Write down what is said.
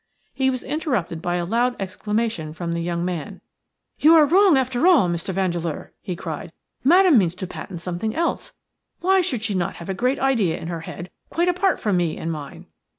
He was interrupted by a loud exclamation from the young man. "You are wrong after all, Mr. Vandeleur," he cried. "Madame means to patent something else. Why should she not have a great idea in her head quite apart from me and mine?